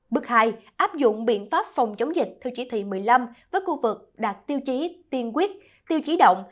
bước hai áp dụng biện pháp phòng chống dịch theo chỉ thị một mươi năm với khu vực đạt tiêu chí tiên quyết tiêu chí động